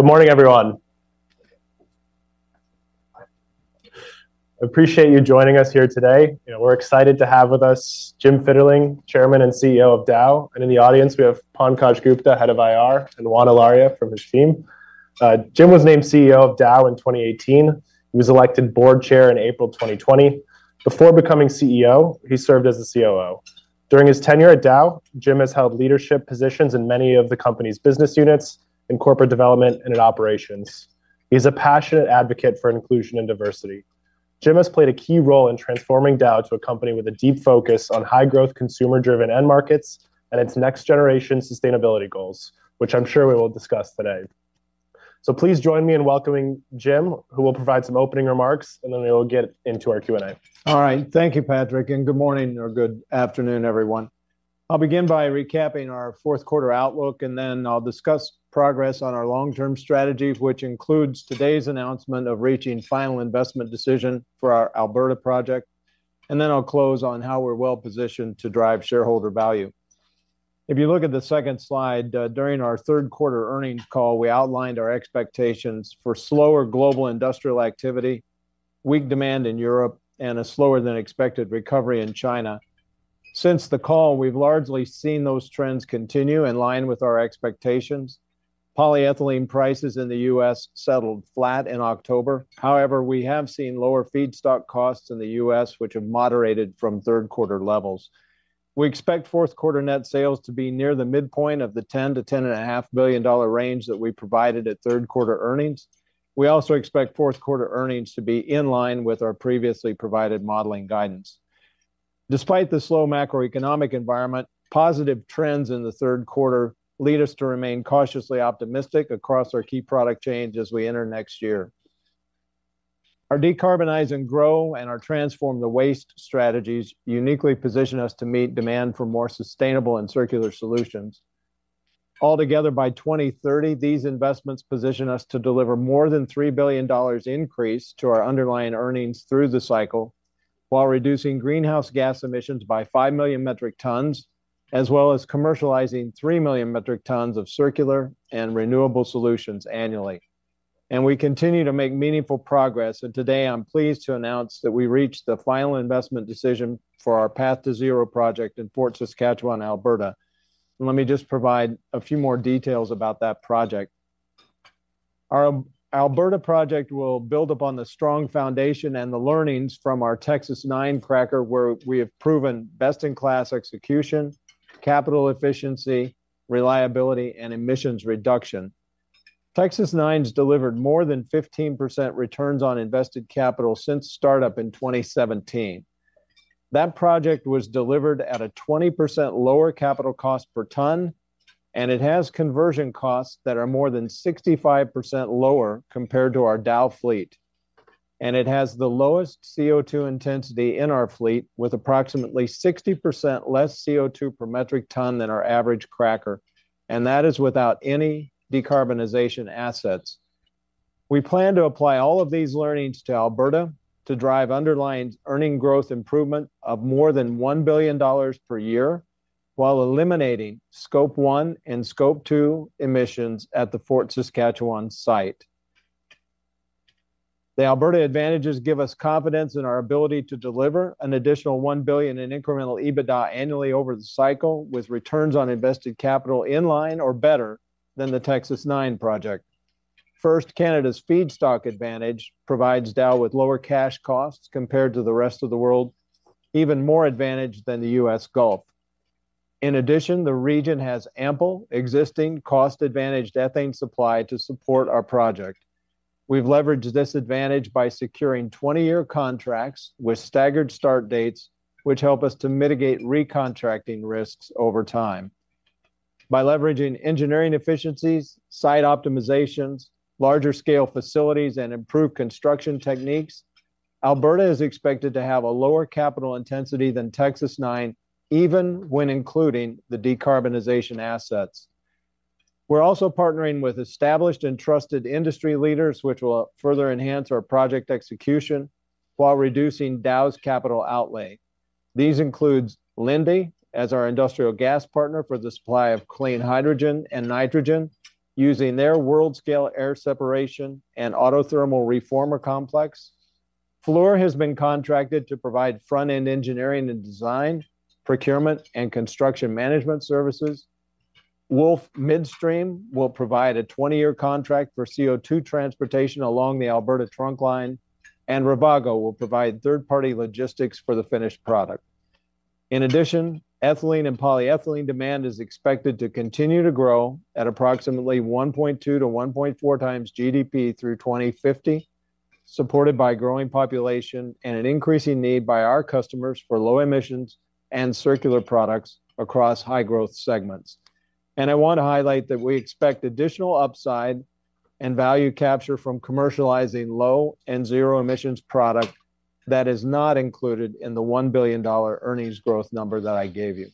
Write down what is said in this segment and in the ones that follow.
Good morning, everyone. I appreciate you joining us here today. You know, we're excited to have with us Jim Fitterling, Chairman and CEO of Dow. In the audience, we have Pankaj Gupta, Head of IR, and Juan Ilaria from his team. Jim was named CEO of Dow in 2018. He was elected board chair in April 2020. Before becoming CEO, he served as the COO. During his tenure at Dow, Jim has held leadership positions in many of the company's business units, in corporate development, and in operations. He's a passionate advocate for inclusion and diversity. Jim has played a key role in transforming Dow to a company with a deep focus on high-growth, consumer-driven end markets and its next-generation sustainability goals, which I'm sure we will discuss today. Please join me in welcoming Jim, who will provide some opening remarks, and then we will get into our Q&A. All right. Thank you, Patrick, and good morning or good afternoon, everyone. I'll begin by recapping our fourth quarter outlook, and then I'll discuss progress on our long-term strategy, which includes today's announcement of reaching final investment decision for our Alberta project. Then I'll close on how we're well positioned to drive shareholder value. If you look at the second slide, during our third quarter earnings call, we outlined our expectations for slower global industrial activity, weak demand in Europe, and a slower than expected recovery in China. Since the call, we've largely seen those trends continue in line with our expectations. Polyethylene prices in the U.S. settled flat in October. However, we have seen lower feedstock costs in the U.S., which have moderated from third quarter levels. We expect fourth quarter net sales to be near the midpoint of the $10-$10.5 billion range that we provided at third quarter earnings. We also expect fourth quarter earnings to be in line with our previously provided modeling guidance. Despite the slow macroeconomic environment, positive trends in the third quarter lead us to remain cautiously optimistic across our key product chains as we enter next year. Our Decarbonize and Grow and our Transform to Waste strategies uniquely position us to meet demand for more sustainable and circular solutions. Altogether, by 2030, these investments position us to deliver more than $3 billion increase to our underlying earnings through the cycle, while reducing greenhouse gas emissions by 5 million metric tons, as well as commercializing 3 million metric tons of circular and renewable solutions annually. We continue to make meaningful progress, and today I'm pleased to announce that we reached the final investment decision for our Path2Zero project in Fort Saskatchewan, Alberta. Let me just provide a few more details about that project. Our Alberta project will build upon the strong foundation and the learnings from our Texas-9 cracker, where we have proven best-in-class execution, capital efficiency, reliability, and emissions reduction. Texas-9's delivered more than 15% returns on invested capital since startup in 2017. That project was delivered at a 20% lower capital cost per ton, and it has conversion costs that are more than 65% lower compared to our Dow fleet. It has the lowest CO2 intensity in our fleet, with approximately 60% less CO2 per metric ton than our average cracker, and that is without any decarbonization assets. We plan to apply all of these learnings to Alberta to drive underlying earning growth improvement of more than $1 billion per year, while eliminating Scope 1 and Scope 2 emissions at the Fort Saskatchewan site. The Alberta advantages give us confidence in our ability to deliver an additional $1 billion in incremental EBITDA annually over the cycle, with returns on invested capital in line or better than the Texas-9 project. First, Canada's feedstock advantage provides Dow with lower cash costs compared to the rest of the world, even more advantage than the US Gulf. In addition, the region has ample existing cost-advantaged ethane supply to support our project. We've leveraged this advantage by securing 20-year contracts with staggered start dates, which help us to mitigate recontracting risks over time. By leveraging engineering efficiencies, site optimizations, larger scale facilities, and improved construction techniques, Alberta is expected to have a lower capital intensity than Texas-9, even when including the decarbonization assets. We're also partnering with established and trusted industry leaders, which will further enhance our project execution while reducing Dow's capital outlay. These include Linde as our industrial gas partner for the supply of clean hydrogen and nitrogen, using their world-scale air separation and autothermal reformer complex. Fluor has been contracted to provide front-end engineering and design, procurement, and construction management services. Wolf Midstream will provide a 20-year contract for CO2 transportation along the Alberta trunk line, and Ravago will provide third-party logistics for the finished product. In addition, ethylene and polyethylene demand is expected to continue to grow at approximately 1.2x-1.4x GDP through 2050, supported by growing population and an increasing need by our customers for low emissions and circular products across high growth segments. I want to highlight that we expect additional upside and value capture from commercializing low and zero emissions product that is not included in the $1 billion earnings growth number that I gave you.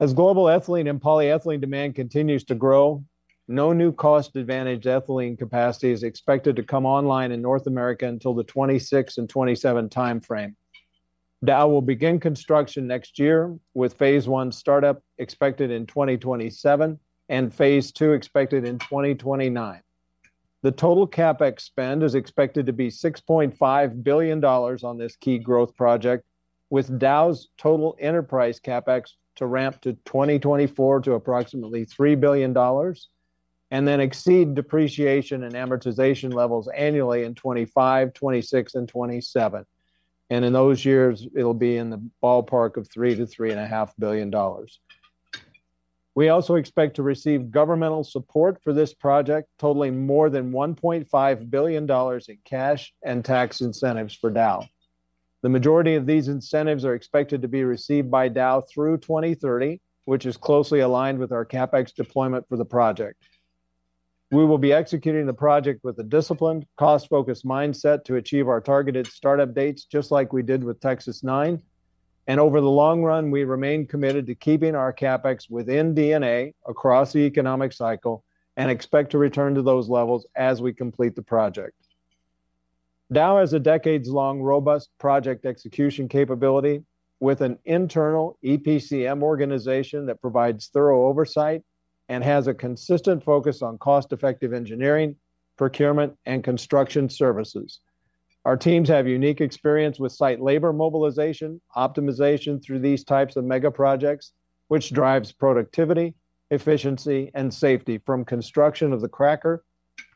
As global ethylene and polyethylene demand continues to grow, no new cost advantage ethylene capacity is expected to come online in North America until the 2026-2027 timeframe. Dow will begin construction next year, with phase one startup expected in 2027, and phase two expected in 2029. The total CapEx spend is expected to be $6.5 billion on this key growth project, with Dow's total enterprise CapEx to ramp to 2024 to approximately $3 billion, and then exceed depreciation and amortization levels annually in 2025, 2026, and 2027. In those years, it'll be in the ballpark of $3 billion-$3.5 billion. We also expect to receive governmental support for this project, totaling more than $1.5 billion in cash and tax incentives for Dow. The majority of these incentives are expected to be received by Dow through 2030, which is closely aligned with our CapEx deployment for the project. We will be executing the project with a disciplined, cost-focused mindset to achieve our targeted startup dates, just like we did with Texas-9. Over the long run, we remain committed to keeping our CapEx within D&A across the economic cycle, and expect to return to those levels as we complete the project. Dow has a decades-long, robust project execution capability, with an internal EPCM organization that provides thorough oversight and has a consistent focus on cost-effective engineering, procurement, and construction services. Our teams have unique experience with site labor mobilization, optimization through these types of mega projects, which drives productivity, efficiency, and safety, from construction of the cracker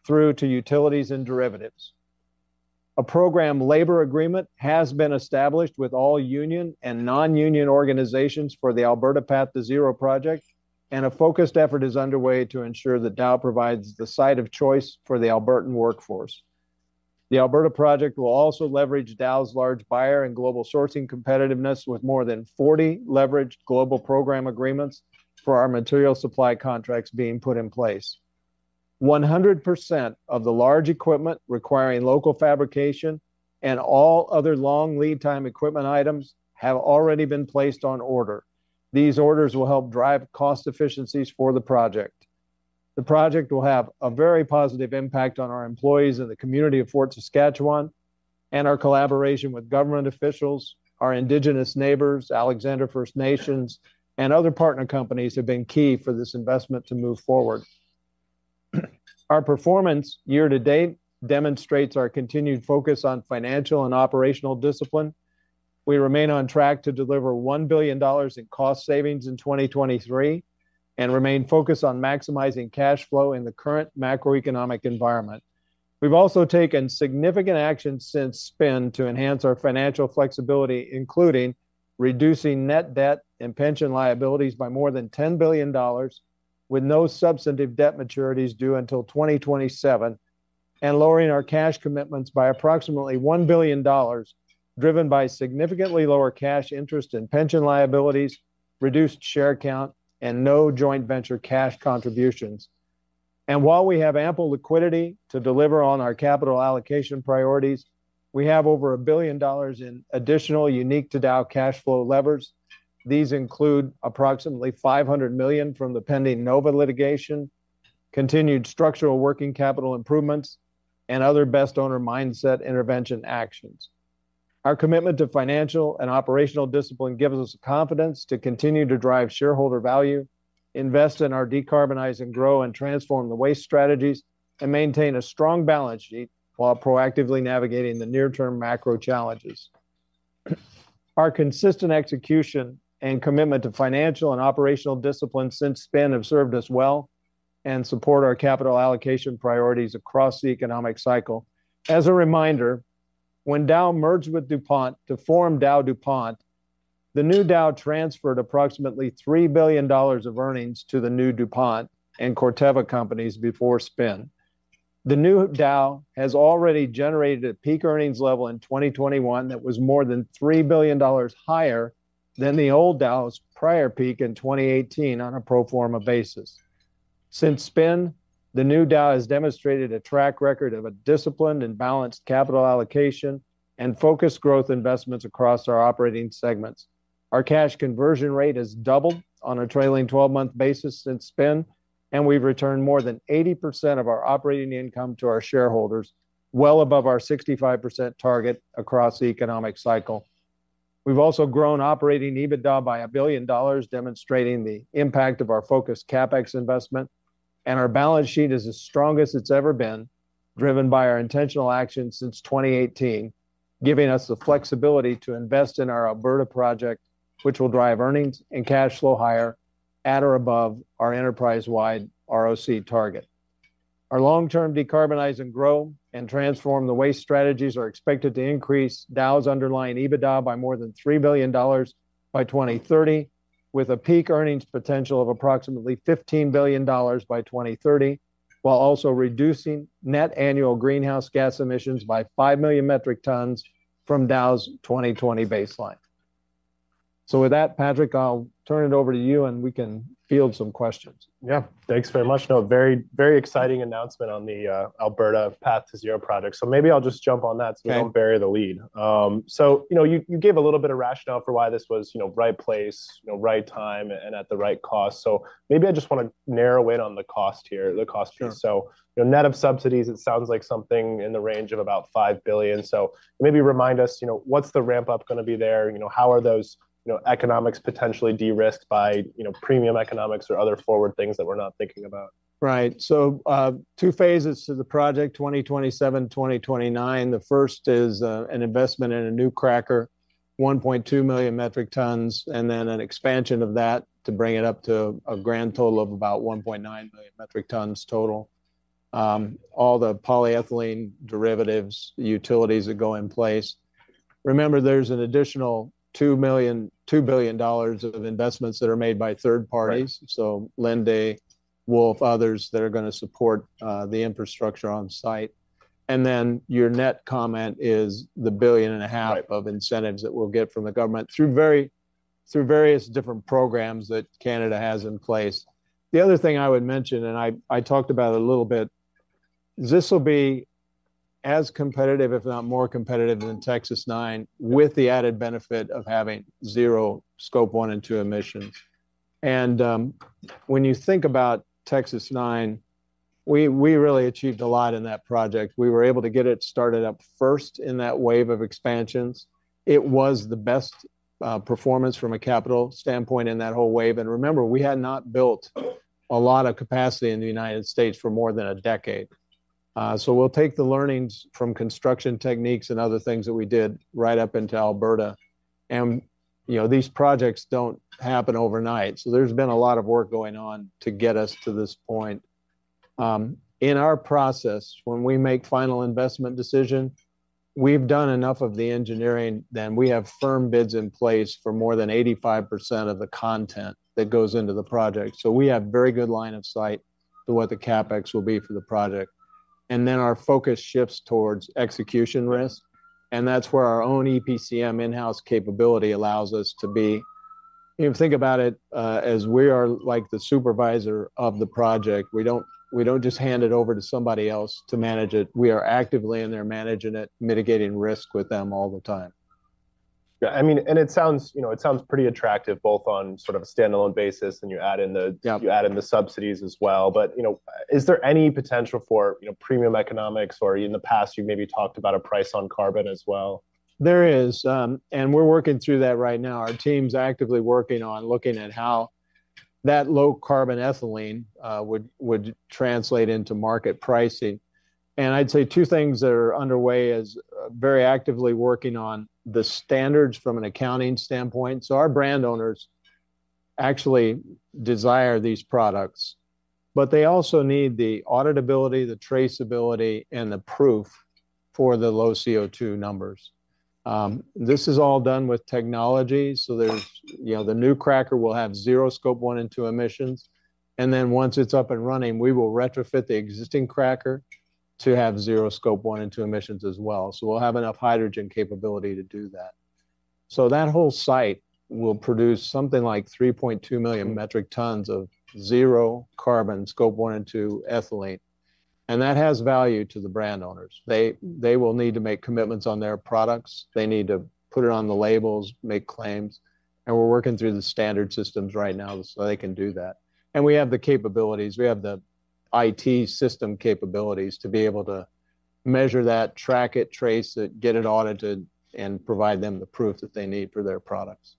through to utilities and derivatives. A program labor agreement has been established with all union and non-union organizations for the Alberta Path2Zero project, and a focused effort is underway to ensure that Dow provides the site of choice for the Albertan workforce. The Alberta project will also leverage Dow's large buyer and global sourcing competitiveness, with more than 40 leveraged global program agreements for our material supply contracts being put in place. 100% of the large equipment requiring local fabrication and all other long lead time equipment items have already been placed on order. These orders will help drive cost efficiencies for the project. The project will have a very positive impact on our employees in the community of Fort Saskatchewan, and our collaboration with government officials, our Indigenous neighbors, Alexander First Nation, and other partner companies have been key for this investment to move forward. Our performance year to date demonstrates our continued focus on financial and operational discipline. We remain on track to deliver $1 billion in cost savings in 2023, and remain focused on maximizing cash flow in the current macroeconomic environment. We've also taken significant action since spin to enhance our financial flexibility, including reducing net debt and pension liabilities by more than $10 billion, with no substantive debt maturities due until 2027, and lowering our cash commitments by approximately $1 billion, driven by significantly lower cash interest and pension liabilities, reduced share count, and no joint venture cash contributions. And while we have ample liquidity to deliver on our capital allocation priorities, we have over $1 billion in additional unique to Dow cash flow levers. These include approximately $500 million from the pending NOVA litigation, continued structural working capital improvements, and other best owner mindset intervention actions. Our commitment to financial and operational discipline gives us confidence to continue to drive shareholder value, invest in our decarbonize and grow, and Transform the Waste strategies, and maintain a strong balance sheet while proactively navigating the near-term macro challenges. Our consistent execution and commitment to financial and operational discipline since spin have served us well and support our capital allocation priorities across the economic cycle. As a reminder, when Dow merged with DuPont to form DowDuPont, the new Dow transferred approximately $3 billion of earnings to the new DuPont and Corteva companies before spin. The new Dow has already generated a peak earnings level in 2021 that was more than $3 billion higher than the old Dow's prior peak in 2018 on a pro forma basis. Since spin, the new Dow has demonstrated a track record of a disciplined and balanced capital allocation and focused growth investments across our operating segments. Our cash conversion rate has doubled on a trailing twelve-month basis since spin, and we've returned more than 80% of our operating income to our shareholders, well above our 65% target across the economic cycle. We've also grown operating EBITDA by $1 billion, demonstrating the impact of our focused CapEx investment, and our balance sheet is the strongest it's ever been, driven by our intentional actions since 2018, giving us the flexibility to invest in our Alberta project, which will drive earnings and cash flow higher at or above our enterprise-wide ROC target. Our long-term decarbonize and grow and transform the waste strategies are expected to increase Dow's underlying EBITDA by more than $3 billion by 2030, with a peak earnings potential of approximately $15 billion by 2030, while also reducing net annual greenhouse gas emissions by 5 million metric tons from Dow's 2020 baseline. So with that, Patrick, I'll turn it over to you, and we can field some questions. Yeah. Thanks very much. No, very, very exciting announcement on the Alberta Path2Zero project. So maybe I'll just jump on that- Okay... so we don't bury the lead. So, you know, you gave a little bit of rationale for why this was, you know, right place, you know, right time, and at the right cost. So maybe I just wanna narrow in on the cost here. Sure. So, you know, net of subsidies, it sounds like something in the range of about $5 billion. So maybe remind us, you know, what's the ramp-up gonna be there? You know, how are those, you know, economics potentially de-risked by, you know, premium economics or other forward things that we're not thinking about? Right. So, two phases to the project, 2027, 2029. The first is an investment in a new cracker: 1.2 million metric tons, and then an expansion of that to bring it up to a grand total of about 1.9 million metric tons total. All the polyethylene derivatives, utilities that go in place. Remember, there's an additional $2 million-$2 billion of investments that are made by third parties. Right. Linde, Wolf, others that are gonna support the infrastructure on site. Then your net comment is the $1.5 billion- Right... of incentives that we'll get from the government through various different programs that Canada has in place. The other thing I would mention, and I, I talked about it a little bit, this will be as competitive, if not more competitive, than Texas-9, with the added benefit of having zero Scope 1 and 2 emissions. When you think about Texas-9, we, we really achieved a lot in that project. We were able to get it started up first in that wave of expansions. It was the best performance from a capital standpoint in that whole wave. Remember, we had not built a lot of capacity in the United States for more than a decade. So we'll take the learnings from construction techniques and other things that we did right up into Alberta. You know, these projects don't happen overnight, so there's been a lot of work going on to get us to this point. In our process, when we make final investment decision, we've done enough of the engineering, then we have firm bids in place for more than 85% of the content that goes into the project. So we have very good line of sight to what the CapEx will be for the project, and then our focus shifts towards execution risk, and that's where our own EPCM in-house capability allows us to be. If you think about it, as we are like the supervisor of the project, we don't just hand it over to somebody else to manage it. We are actively in there managing it, mitigating risk with them all the time. Yeah, I mean, and it sounds, you know, it sounds pretty attractive both on sort of a standalone basis, and you add in the- Yeah... you add in the subsidies as well. But, you know, is there any potential for, you know, premium economics? Or in the past you maybe talked about a price on carbon as well. There is, and we're working through that right now. Our team's actively working on looking at how that low-carbon ethylene would translate into market pricing. And I'd say two things that are underway is very actively working on the standards from an accounting standpoint. So our brand owners actually desire these products, but they also need the auditability, the traceability, and the proof for the low CO2 numbers. This is all done with technology, so there's, you know, the new cracker will have zero Scope 1 and 2 emissions, and then once it's up and running, we will retrofit the existing cracker to have zero Scope 1 and 2 emissions as well. So we'll have enough hydrogen capability to do that. So that whole site will produce something like 3.2 million metric tons of zero carbon Scope 1 and 2 ethylene, and that has value to the brand owners. They, they will need to make commitments on their products. They need to put it on the labels, make claims, and we're working through the standard systems right now, so they can do that. And we have the capabilities, we have the IT system capabilities to be able to measure that, track it, trace it, get it audited, and provide them the proof that they need for their products.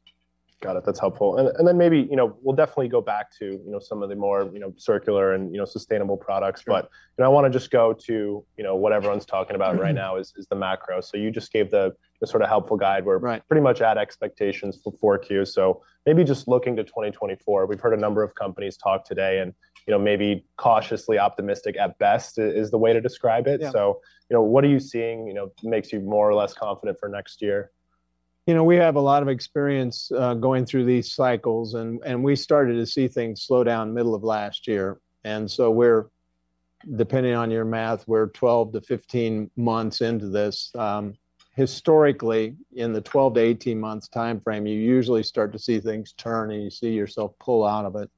Got it. That's helpful. And then maybe, you know, we'll definitely go back to, you know, some of the more, you know, circular and, you know, sustainable products. Sure. But then I wanna just go to, you know, what everyone's talking about- Mm-hmm... right now is the macro. So you just gave the sort of helpful guide where- Right... pretty much at expectations for 4Q. So maybe just looking to 2024, we've heard a number of companies talk today and, you know, maybe cautiously optimistic at best is, is the way to describe it. Yeah. You know, what are you seeing, you know, makes you more or less confident for next year? You know, we have a lot of experience going through these cycles and, and we started to see things slow down middle of last year, and so we're... Depending on your math, we're 12-15 months into this. Historically, in the 12-18 months timeframe, you usually start to see things turn, and you see yourself pull out of it.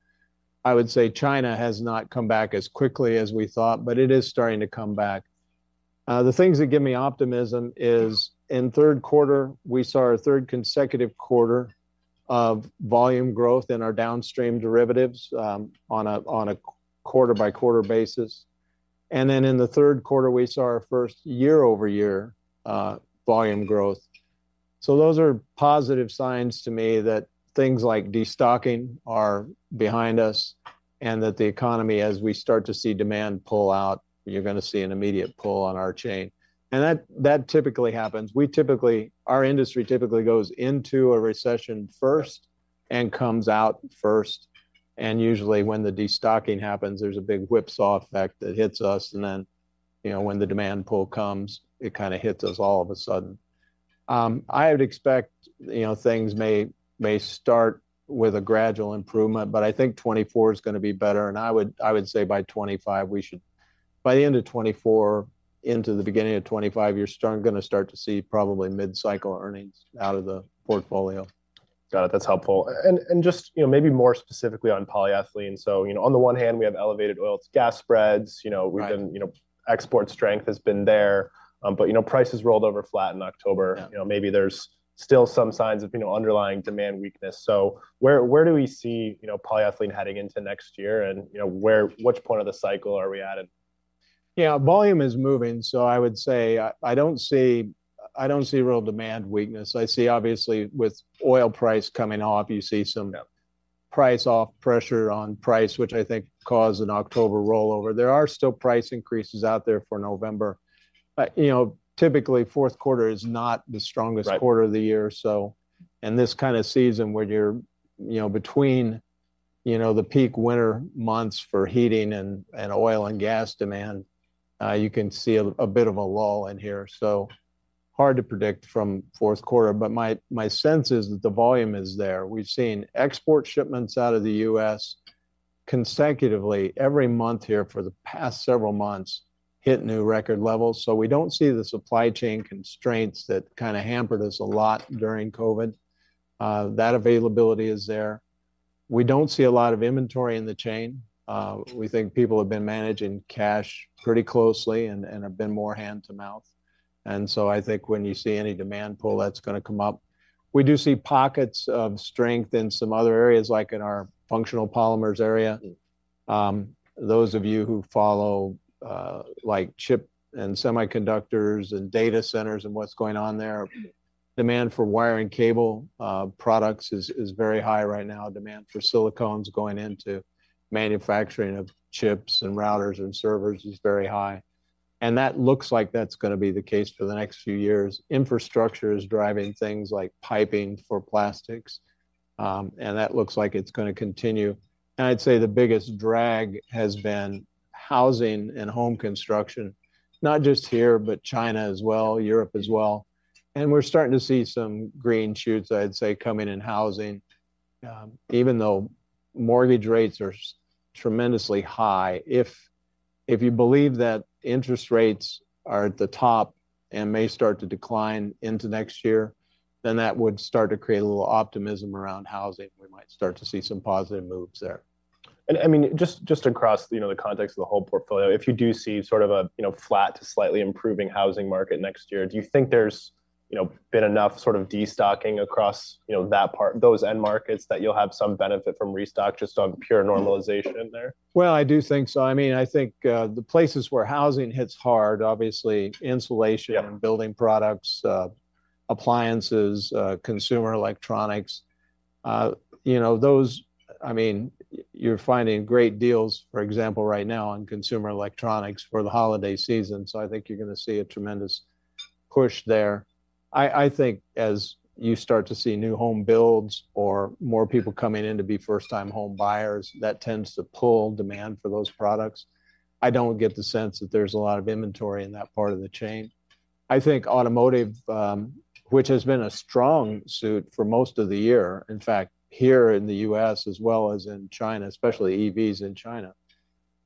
I would say China has not come back as quickly as we thought, but it is starting to come back. The things that give me optimism is, in third quarter, we saw our third consecutive quarter of volume growth in our downstream derivatives on a quarter-by-quarter basis. And then in the third quarter, we saw our first year-over-year volume growth. So those are positive signs to me that things like destocking are behind us, and that the economy, as we start to see demand pull out, you're gonna see an immediate pull on our chain. And that, that typically happens. We typically. Our industry typically goes into a recession first- Yeah... and comes out first, and usually when the destocking happens, there's a big whip saw effect that hits us, and then, you know, when the demand pull comes, it kind of hits us all of a sudden. I would expect, you know, things may start with a gradual improvement, but I think 2024 is gonna be better, and I would say by 2025, we should—by the end of 2024 into the beginning of 2025, you're gonna start to see probably mid-cycle earnings out of the portfolio. Got it. That's helpful. And just, you know, maybe more specifically on Polyethylene. So, you know, on the one hand, we have elevated oil, it's gas spreads, you know- Right... we've been, you know, export strength has been there, but, you know, prices rolled over flat in October. Yeah. You know, maybe there's still some signs of, you know, underlying demand weakness. So where, where do we see, you know, polyethylene heading into next year, and, you know, where—which point of the cycle are we at in? Yeah, volume is moving, so I would say, I don't see real demand weakness. I see obviously, with oil price coming off, you see some- Yeah... price off, pressure on price, which I think caused an October rollover. There are still price increases out there for November. But, you know, typically, fourth quarter is not the strongest- Right Quarter of the year. So in this kind of season, when you're, you know, between, you know, the peak winter months for heating and oil and gas demand, you can see a bit of a lull in here. So hard to predict from fourth quarter, but my sense is that the volume is there. We've seen export shipments out of the U.S. consecutively every month here for the past several months hit new record levels, so we don't see the supply chain constraints that kind of hampered us a lot during COVID. That availability is there. We don't see a lot of inventory in the chain. We think people have been managing cash pretty closely and have been more hand-to-mouth. And so I think when you see any demand pull, that's gonna come up. We do see pockets of strength in some other areas, like in our functional polymers area. Those of you who follow, like, chip and semiconductors, and data centers, and what's going on there, demand for wiring cable products is very high right now. Demand for silicones going into manufacturing of chips, and routers, and servers is very high, and that looks like that's gonna be the case for the next few years. Infrastructure is driving things like piping for plastics, and that looks like it's gonna continue. I'd say the biggest drag has been housing and home construction, not just here, but China as well, Europe as well, and we're starting to see some green shoots, I'd say, coming in housing, even though mortgage rates are so tremendously high. If you believe that interest rates are at the top and may start to decline into next year, then that would start to create a little optimism around housing. We might start to see some positive moves there. I mean, just across, you know, the context of the whole portfolio, if you do see sort of a, you know, flat to slightly improving housing market next year, do you think there's, you know, been enough sort of destocking across, you know, that part, those end markets, that you'll have some benefit from restock, just on pure normalization in there? Well, I do think so. I mean, I think, the places where housing hits hard, obviously insulation- Yeah... building products, appliances, consumer electronics. You know, those—I mean, you're finding great deals, for example, right now on consumer electronics for the holiday season. So I think you're gonna see a tremendous push there. I think as you start to see new home builds or more people coming in to be first-time home buyers, that tends to pull demand for those products. I don't get the sense that there's a lot of inventory in that part of the chain. I think automotive, which has been a strong suit for most of the year, in fact, here in the U.S. as well as in China, especially EVs in China,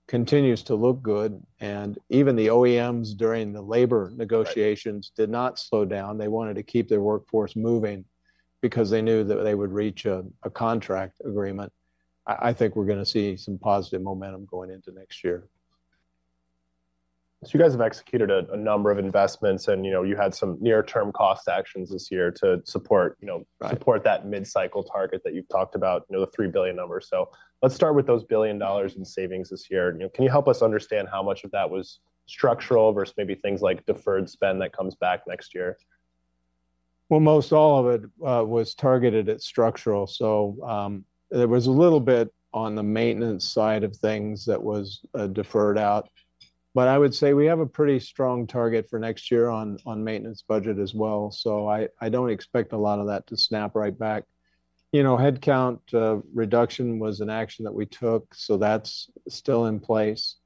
continues to look good, and even the OEMs, during the labor negotiations. Right... did not slow down. They wanted to keep their workforce moving because they knew that they would reach a contract agreement. I think we're gonna see some positive momentum going into next year. So you guys have executed a number of investments and, you know, you had some near-term cost actions this year to support, you know- Right... support that mid-cycle target that you've talked about, you know, the $3 billion number. So let's start with those $3 billion in savings this year. You know, can you help us understand how much of that was structural versus maybe things like deferred spend that comes back next year? Well, most all of it was targeted at structural, so there was a little bit on the maintenance side of things that was deferred out. But I would say we have a pretty strong target for next year on maintenance budget as well, so I don't expect a lot of that to snap right back. You know, headcount reduction was an action that we took, so that's still in place.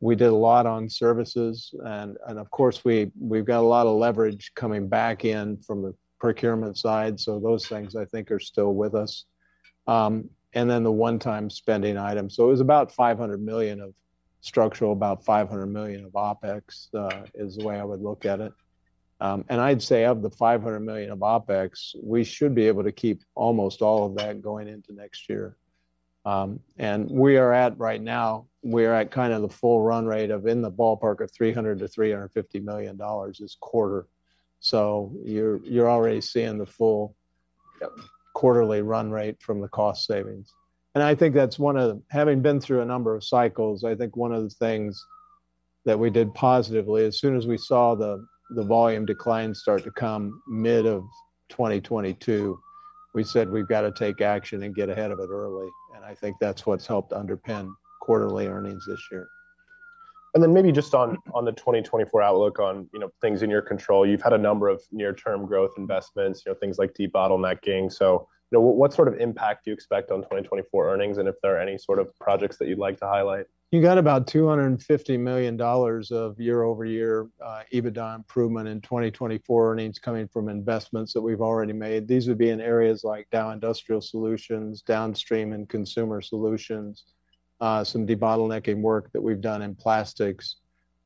We did a lot on services, and of course, we've got a lot of leverage coming back in from the procurement side, so those things, I think, are still with us. And then the one-time spending item. So it was about $500 million of structural, about $500 million of OpEx, is the way I would look at it. And I'd say, of the $500 million of OpEx, we should be able to keep almost all of that going into next year. And we are at, right now, we are at kind of the full run rate of in the ballpark of $300-$350 million this quarter. So you're already seeing the full- Yep... quarterly run rate from the cost savings. And I think that's one of. Having been through a number of cycles, I think one of the things that we did positively, as soon as we saw the volume decline start to come mid-2022, we said, "We've got to take action and get ahead of it early." And I think that's what's helped underpin quarterly earnings this year. Maybe just on the 2024 outlook on, you know, things in your control. You've had a number of near-term growth investments, you know, things like debottlenecking. You know, what sort of impact do you expect on 2024 earnings, and if there are any sort of projects that you'd like to highlight? You got about $250 million of year-over-year EBITDA improvement in 2024 earnings coming from investments that we've already made. These would be in areas like Dow Industrial Solutions, downstream and consumer solutions, some debottlenecking work that we've done in plastics.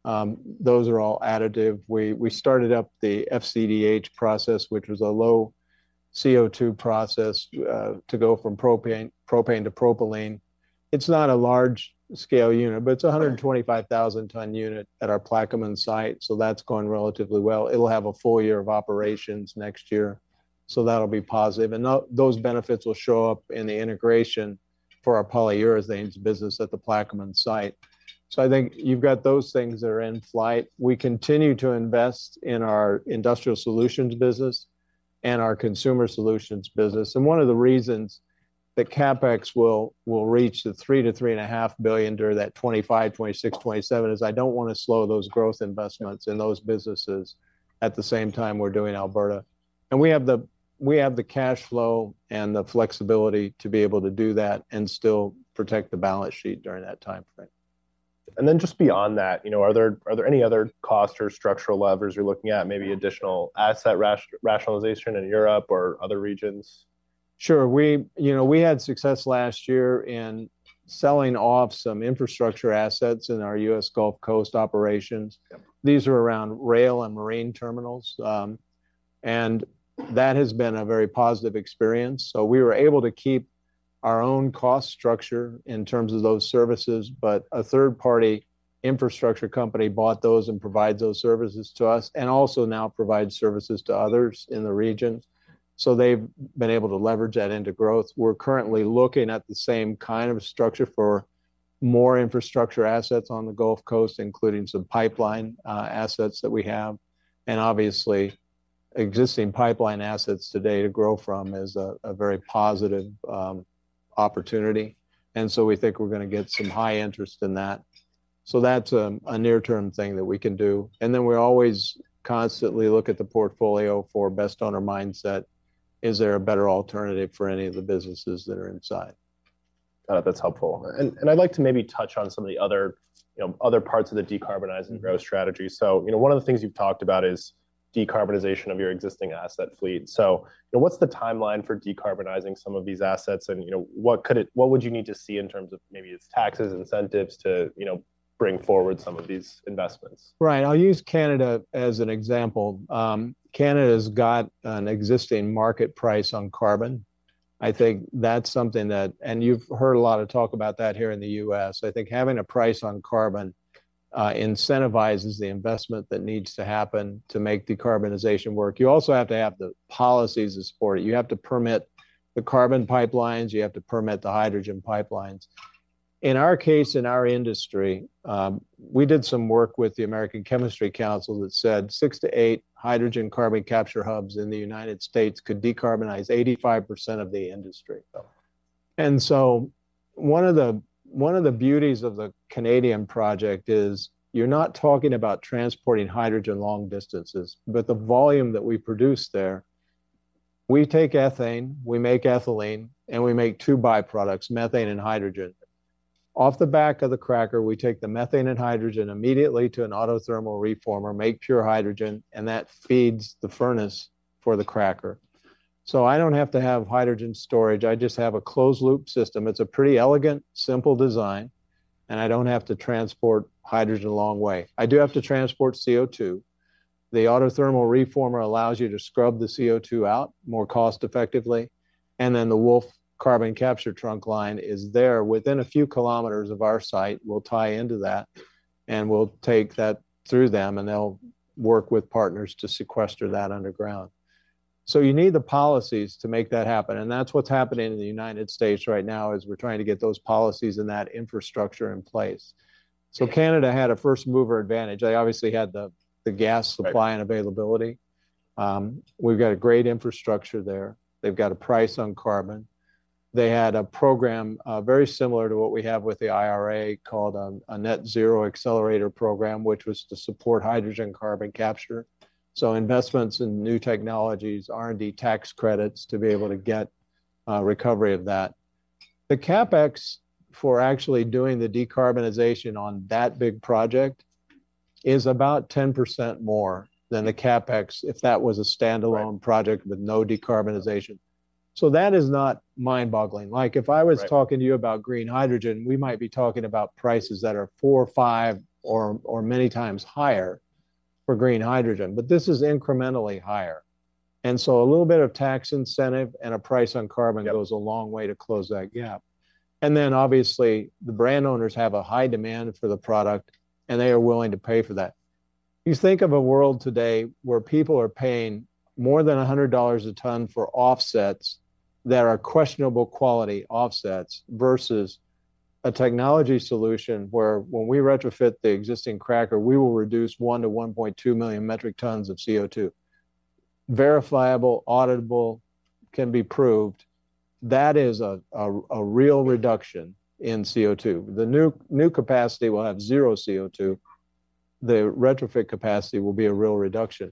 Those are all additive. We started up the FCDh process, which was a low CO2 process, to go from propane to propylene. It's not a large-scale unit, but it's a 125,000-ton unit at our Plaquemine site, so that's going relatively well. It'll have a full year of operations next year, so that'll be positive. Those benefits will show up in the integration for our polyurethanes business at the Plaquemine site. So I think you've got those things that are in flight. We continue to invest in our industrial solutions business and our consumer solutions business. And one of the reasons the CapEx will reach the $3 billion-$3.5 billion during that 2025, 2026, 2027, is I don't wanna slow those growth investments in those businesses at the same time we're doing Alberta. And we have the, we have the cash flow and the flexibility to be able to do that and still protect the balance sheet during that time frame. And then just beyond that, you know, are there any other cost or structural levers you're looking at? Maybe additional asset rationalization in Europe or other regions? Sure. You know, we had success last year in selling off some infrastructure assets in our U.S. Gulf Coast operations. Yep. These are around rail and marine terminals, and that has been a very positive experience. So we were able to keep our own cost structure in terms of those services, but a third-party infrastructure company bought those and provides those services to us, and also now provides services to others in the region. So they've been able to leverage that into growth. We're currently looking at the same kind of structure for more infrastructure assets on the Gulf Coast, including some pipeline assets that we have. And obviously, existing pipeline assets today to grow from is a very positive opportunity, and so we think we're gonna get some high interest in that. So that's a near-term thing that we can do. And then we always constantly look at the portfolio for best owner mindset. Is there a better alternative for any of the businesses that are inside? That's helpful. And I'd like to maybe touch on some of the other parts of the decarbonization and growth strategy. You know, one of the things you've talked about is decarbonization of your existing asset fleet. So what's the timeline for decarbonizing some of these assets? And, you know, what would you need to see in terms of maybe it's taxes, incentives to, you know, bring forward some of these investments? Right. I'll use Canada as an example. Canada's got an existing market price on carbon. I think that's something that... And you've heard a lot of talk about that here in the U.S. I think having a price on carbon incentivizes the investment that needs to happen to make decarbonization work. You also have to have the policies to support it. You have to permit the carbon pipelines, you have to permit the hydrogen pipelines. In our case, in our industry, we did some work with the American Chemistry Council that said 6-8 hydrogen carbon capture hubs in the United States could decarbonize 85% of the industry. And so one of the, one of the beauties of the Canadian project is you're not talking about transporting hydrogen long distances, but the volume that we produce there. We take ethane, we make ethylene, and we make two byproducts, methane and hydrogen. Off the back of the cracker, we take the methane and hydrogen immediately to an autothermal reformer, make pure hydrogen, and that feeds the furnace for the cracker. So I don't have to have hydrogen storage, I just have a closed-loop system. It's a pretty elegant, simple design, and I don't have to transport hydrogen a long way. I do have to transport CO₂. The autothermal reformer allows you to scrub the CO₂ out more cost effectively, and then the Wolf carbon capture trunk line is there within a few kilometers of our site. We'll tie into that, and we'll take that through them, and they'll work with partners to sequester that underground. So you need the policies to make that happen, and that's what's happening in the United States right now, is we're trying to get those policies and that infrastructure in place. So Canada had a first-mover advantage. They obviously had the gas supply- Right... and availability. We've got a great infrastructure there. They've got a price on carbon. They had a program, very similar to what we have with the IRA, called, a Net Zero Accelerator program, which was to support hydrogen carbon capture. So investments in new technologies, R&D tax credits, to be able to get, recovery of that. The CapEx for actually doing the decarbonization on that big project is about 10% more than the CapEx if that was a standalone project- Right... with no decarbonization. So that is not mind-boggling. Right. Like, if I was talking to you about green hydrogen, we might be talking about prices that are 4, 5, or many times higher for green hydrogen, but this is incrementally higher. And so a little bit of tax incentive and a price on carbon- Yep... goes a long way to close that gap. And then, obviously, the brand owners have a high demand for the product, and they are willing to pay for that. You think of a world today where people are paying more than $100 a ton for offsets that are questionable quality offsets, versus a technology solution, where when we retrofit the existing cracker, we will reduce 1-1.2 million metric tons of CO₂. Verifiable, auditable, can be proved, that is a real reduction in CO₂. The new capacity will have zero CO₂. The retrofit capacity will be a real reduction.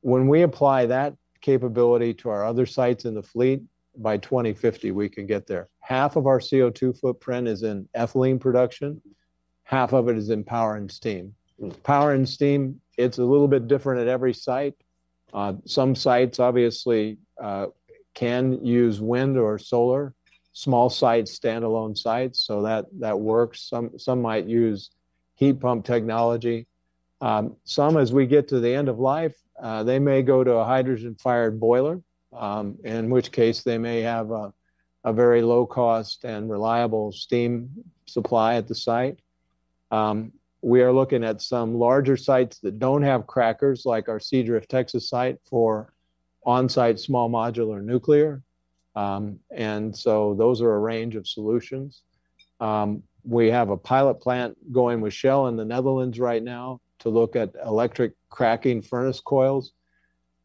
When we apply that capability to our other sites in the fleet, by 2050, we can get there. Half of our CO₂ footprint is in ethylene production, half of it is in power and steam. Mm. Power and steam, it's a little bit different at every site. Some sites, obviously, can use wind or solar, small sites, standalone sites, so that, that works. Some might use heat pump technology. Some, as we get to the end of life, they may go to a hydrogen-fired boiler, in which case, they may have a very low cost and reliable steam supply at the site. We are looking at some larger sites that don't have crackers, like our Seadrift, Texas site for on-site small modular nuclear. And so those are a range of solutions. We have a pilot plant going with Shell in the Netherlands right now to look at electric cracking furnace coils.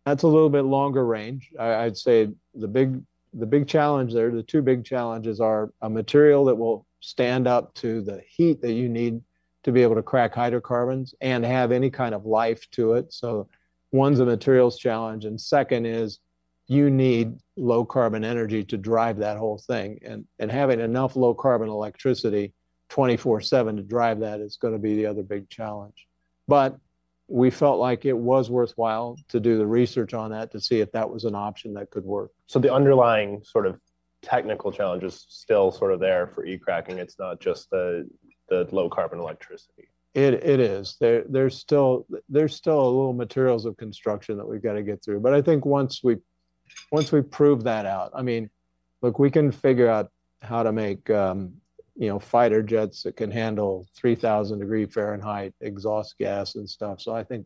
That's a little bit longer range. I'd say the big, the big challenge there, the two big challenges are a material that will stand up to the heat that you need to be able to crack hydrocarbons and have any kind of life to it. So one's a materials challenge, and second is you need low carbon energy to drive that whole thing, and having enough low carbon electricity 24/7 to drive that is gonna be the other big challenge. But we felt like it was worthwhile to do the research on that, to see if that was an option that could work. So the underlying sort of technical challenge is still sort of there for e-cracking. It's not just the low carbon electricity? It is. There's still a little materials of construction that we've got to get through. But I think once we prove that out... I mean, look, we can figure out how to make, you know, fighter jets that can handle 3,000 degrees Fahrenheit exhaust gas and stuff, so I think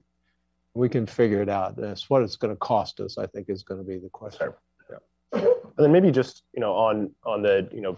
we can figure it out. It's what it's gonna cost us, I think is gonna be the question. Sure. Yeah. And then maybe just, you know, on the, you know,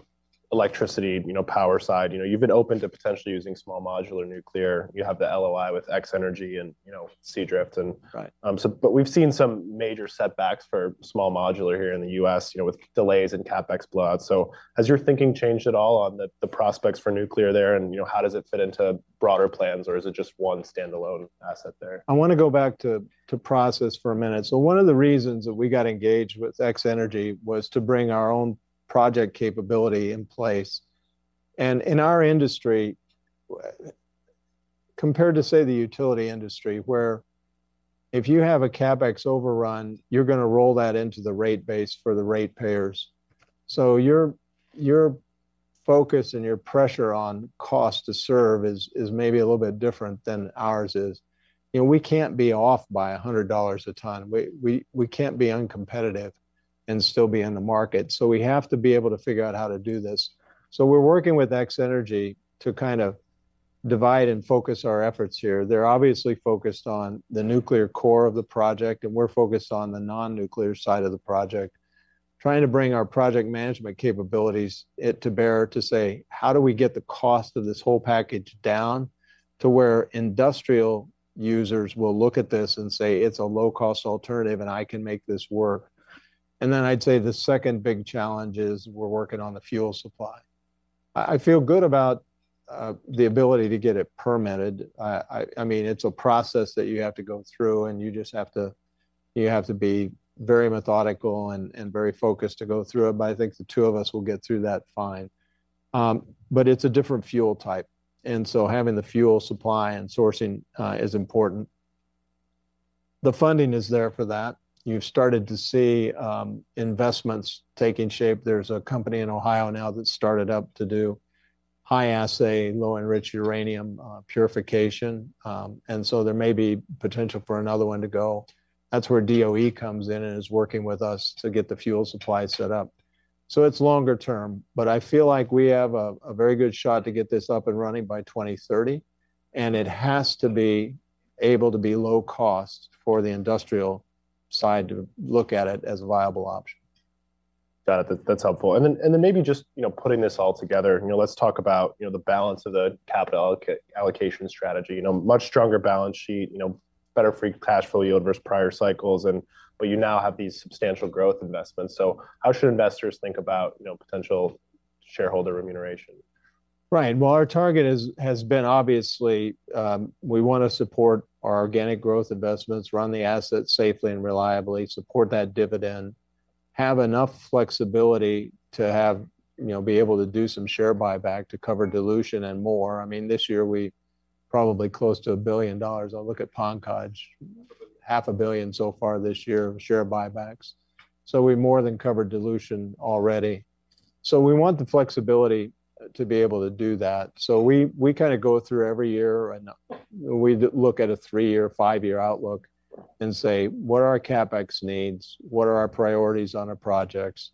electricity, you know, power side, you know, you've been open to potentially using small modular nuclear. You have the LOI with X-energy and, you know, Seadrift and- Right. So but we've seen some major setbacks for small modular here in the U.S., you know, with delays and CapEx blowouts. So has your thinking changed at all on the prospects for nuclear there? And, you know, how does it fit into broader plans, or is it just one standalone asset there? I want to go back to process for a minute. So one of the reasons that we got engaged with X-energy was to bring our own project capability in place. And in our industry, compared to, say, the utility industry, where if you have a CapEx overrun, you're gonna roll that into the rate base for the ratepayers. So your focus and your pressure on cost to serve is maybe a little bit different than ours is. You know, we can't be off by $100 a ton. We can't be uncompetitive and still be in the market, so we have to be able to figure out how to do this. So we're working with X-energy to kind of divide and focus our efforts here. They're obviously focused on the nuclear core of the project, and we're focused on the non-nuclear side of the project, trying to bring our project management capabilities to bear, to say, "How do we get the cost of this whole package down to where industrial users will look at this and say, 'It's a low-cost alternative, and I can make this work?'" And then I'd say the second big challenge is we're working on the fuel supply. I feel good about the ability to get it permitted. I mean, it's a process that you have to go through, and you just have to be very methodical and very focused to go through it, but I think the two of us will get through that fine. But it's a different fuel type, and so having the fuel supply and sourcing is important. The funding is there for that. You've started to see investments taking shape. There's a company in Ohio now that started up to do high-assay, low-enriched uranium purification. And so there may be potential for another one to go. That's where DOE comes in and is working with us to get the fuel supply set up. So it's longer term, but I feel like we have a, a very good shot to get this up and running by 2030, and it has to be able to be low cost for the industrial side to look at it as a viable option. Got it. That's helpful. And then maybe just, you know, putting this all together, you know, let's talk about, you know, the balance of the capital allocation strategy. You know, much stronger balance sheet, you know, better free cash flow yield versus prior cycles and... But you now have these substantial growth investments. So how should investors think about, you know, potential shareholder remuneration? Right. Well, our target is, has been, obviously, we want to support our organic growth investments, run the asset safely and reliably, support that dividend, have enough flexibility to have, you know, be able to do some share buyback to cover dilution and more. I mean, this year we're probably close to $1 billion. I look at Pankaj, $500 million so far this year of share buybacks, so we more than covered dilution already. So we want the flexibility to be able to do that. So we, we kind of go through every year, and we look at a three-year, five-year outlook and say: What are our CapEx needs? What are our priorities on our projects?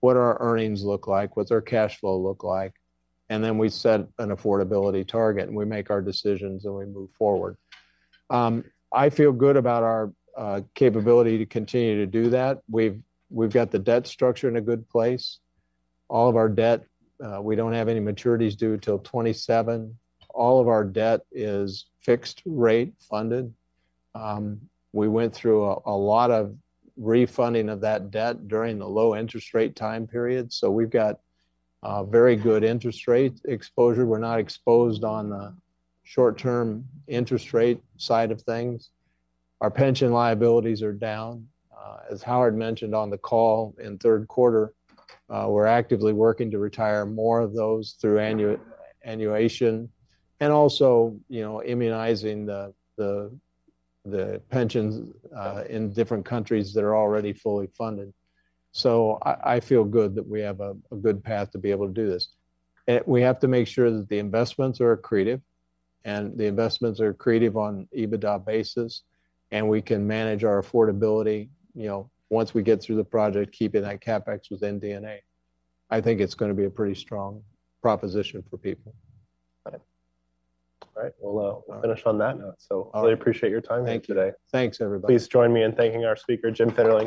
What are our earnings look like? What's our cash flow look like? And then we set an affordability target, and we make our decisions, and we move forward. I feel good about our capability to continue to do that. We've got the debt structure in a good place. All of our debt, we don't have any maturities due till 2027. All of our debt is fixed rate funded. We went through a lot of refunding of that debt during the low interest rate time period, so we've got a very good interest rate exposure. We're not exposed on the short-term interest rate side of things. Our pension liabilities are down. As Howard mentioned on the call, in third quarter, we're actively working to retire more of those through annuitization and also, you know, immunizing the pensions in different countries that are already fully funded. So I feel good that we have a good path to be able to do this. We have to make sure that the investments are accretive, and the investments are accretive on EBITDA basis, and we can manage our affordability, you know, once we get through the project, keeping that CapEx within D&A. I think it's gonna be a pretty strong proposition for people. Got it. All right, well, we'll finish on that note. So I really appreciate your time today. Thank you. Thanks, everybody. Please join me in thanking our speaker, Jim Fitterling.